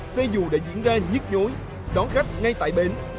điều này diễn ra nhức nhối đón khách ngay tại bến